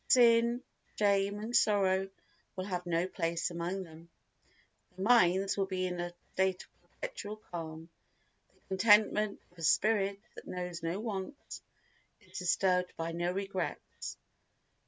Sin, shame and sorrow will have no place among them. Their minds will be in a state of perpetual calm, the contentment of a spirit that knows no wants, is disturbed by no regrets.